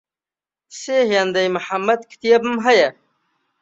سێ هێندەی محەمەد کتێبم هەیە.